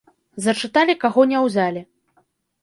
Зачыталі, каго не ўзялі.